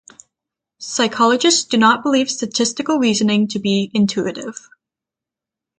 Psychologists do not believe statistical reasoning to be intuitive.